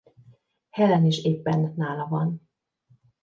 Helen is éppen nála van.